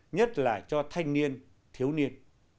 nhất là cho thanh niên thiếu niên